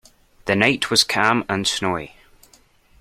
The night was calm and snowy.